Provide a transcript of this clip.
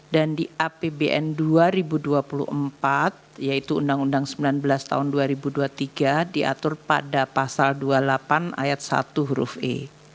dan di apbn dua ribu dua puluh empat yaitu undang undang sembilan belas tahun dua ribu dua puluh tiga diatur pada pasal dua puluh delapan ayat satu huruf e